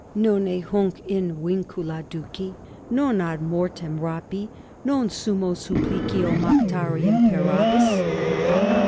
Nonne hunc in vincula duci, non ad mortem rapi, non summo supplicio mactari imperabis?